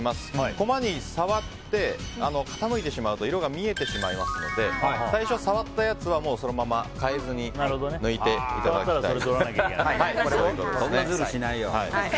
コマに触って傾いてしまうと色が見えてしまいますので最初触ったやつはそのまま変えずにそんなズルしないよ。